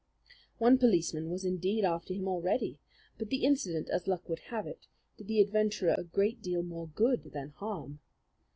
One policeman was indeed after him already; but the incident, as luck would have it, did the adventurer a great deal more good than harm.